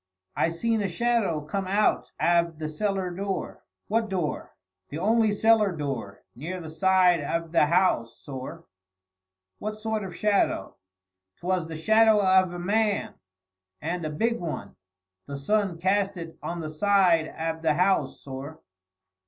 "I seen a shadow come out av the cellar door." "What door?" "The only cellar door; near the side av the house, sorr." "What sort of a shadow?" "'Twas the shadow av a man, and a big one. The sun cast it on the side av the house, sorr."